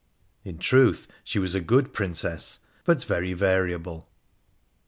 In truth, she was a good Princess, but very variable.